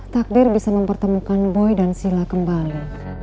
takbir bisa mempertemukan boy dan sila kembali